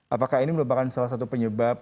apakah ini merupakan salah satu penyebab